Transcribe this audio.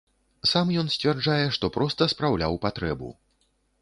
Сам ён сцвярджае, што проста спраўляў патрэбу.